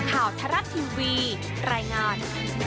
ข่าวทรัฐทีวีรายงาน